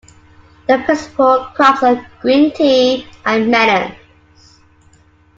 The principal crops are green tea and melons.